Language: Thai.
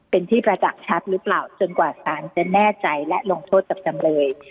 เป็นที่ประจักษ์ชัดหรือเปล่าจนกว่าสารจะแน่ใจและลงโทษกับจำเลย